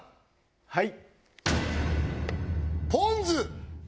はい。